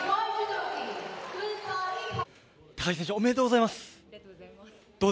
おめでとうございます。